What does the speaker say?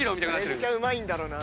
めっちゃうまいんだろな。